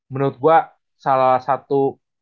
menurut gua salah satu